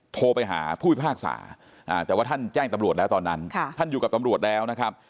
โทรไปหาผู้พิพากษาแต่ว่าท่านแจ้งตำรวจแล้วตอนนั้นท่านอยู่กับตำรวจแล้วนะครับ